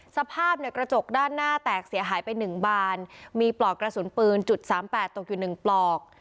สภาพเนี่ยกระจกด้านหน้าแตกเสียหายไป๑บานมีปลอกกระสุนปืนจุดสามแปดตกอยู่หนึ่งปลอก